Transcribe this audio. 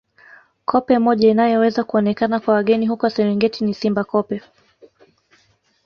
Koppe moja inayoweza kuonekana kwa wageni huko Serengeti ni Simba Koppe